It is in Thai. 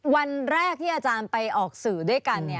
วันแรกที่อาจารย์ไปออกสื่อด้วยกัน